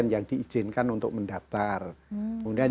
yang diizinkan untuk mendaftar kemudian